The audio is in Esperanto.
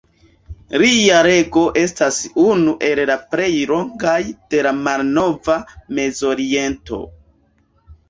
Lia rego estas unu el la plej longaj de la malnova Mezoriento.